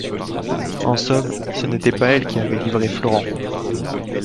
En somme, ce n’était pas elle qui avait livré Florent.